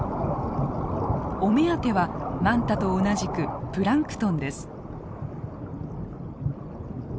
お目当てはマンタと同じくプランクトンです。